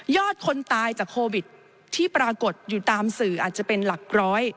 คนตายจากโควิดที่ปรากฏอยู่ตามสื่ออาจจะเป็นหลักร้อย